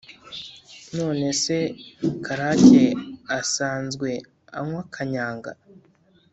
None se Karake asanzwe anywa kanyanga?